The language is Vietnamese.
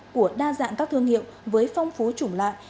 của đa dạng các thương hiệu với phong phú chủng lại